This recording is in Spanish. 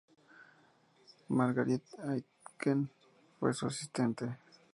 Marguerite Aitken fue su asistente.